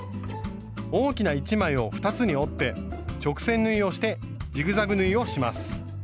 大きな１枚を２つに折って直線縫いをしてジグザグ縫いをします。